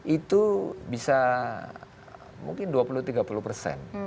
itu bisa mungkin dua puluh tiga puluh persen